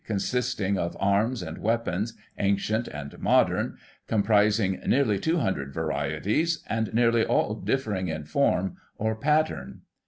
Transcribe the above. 173 consisting of arms and weapons, ancient and modern, com prising nearly 200 vai*ieties, and nearly all differing in form or pattern.